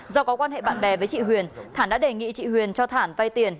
do có quan hệ bạn bè với chị huyền thảo đã đề nghị chị huyền cho thản vay tiền